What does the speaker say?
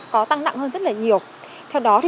có tăng nặng hơn rất là nhiều theo đó thì